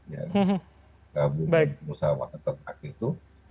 yang gabungan usaha peternak itu